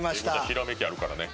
ひらめきあるからね。